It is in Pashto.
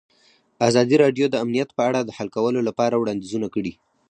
ازادي راډیو د امنیت په اړه د حل کولو لپاره وړاندیزونه کړي.